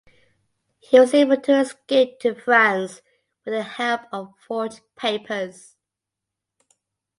He was able to escape to France with the help of forged papers.